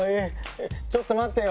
ちょっと待ってよ。